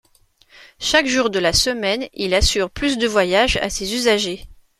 Chaque jour de la semaine, il assure plus de voyages à ses usagers.